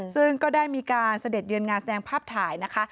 ซึ่งก็ได้มีการเสด็จเยือนงานแสดงภาพถ่ายนะคะ